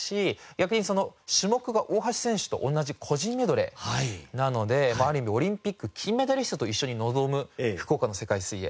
逆に種目が大橋選手と同じ個人メドレーなのである意味オリンピック金メダリストと一緒に臨む福岡の世界水泳。